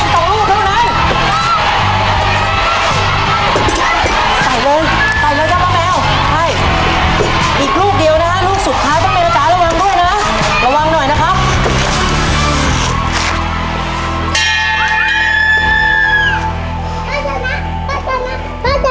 สุดท้ายลองดีต่อไปเรากำลังด้วยนะฮะระวังหน่อยนะฮะ